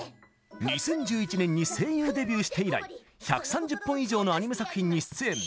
２０１１年に声優デビューして以来１３０本以上のアニメ作品に出演。